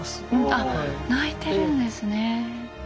あっ泣いてるんですね。